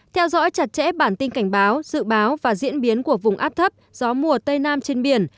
theo dõi chặt chẽ bản tin cảnh báo dự báo và diễn biến của vùng áp thấp gió mùa tây nam trên biển